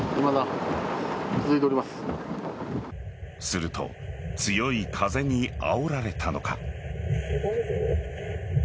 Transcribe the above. すると強い風にあおられたのか。